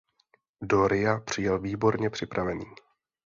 Do Ria přijel výborně připravený.